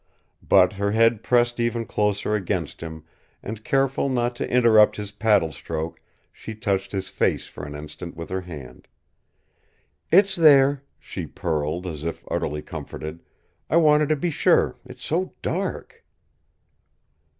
But her head pressed even closer against him, and careful not to interrupt his paddle stroke she touched his face for an instant with her hand. "It's there," she purled, as if utterly comforted. "I wanted to be sure it is so dark!"